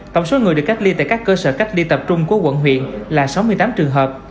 tổng số người được cách ly tại các cơ sở cách ly tập trung của quận huyện là sáu mươi tám trường hợp